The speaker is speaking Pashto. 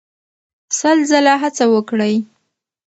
سل ځله هڅه وکړئ.